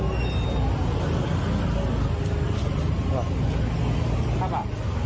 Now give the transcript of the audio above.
ครับค่ะ